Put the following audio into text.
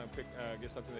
saya tidak bisa menyalahkan